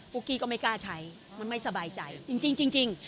กี้ก็ไม่กล้าใช้มันไม่สบายใจจริง